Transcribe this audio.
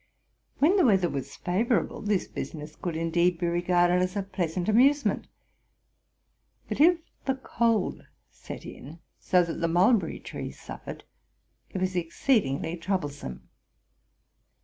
When the weather was favorable, this business could indeed be regarded as a pleasant amusement; but, if the cold set in so that the mulberry trees suffered, if was exceedingly troublesome.